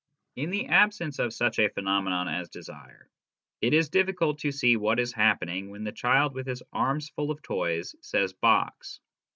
In the absence of such a phenomenon as desire, it is difficult to see what is happening when the child with his arms full of toys says " box."